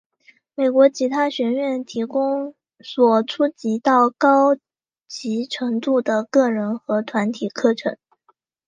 美国吉他学院提供从初级到高级程度的个人和团体课程。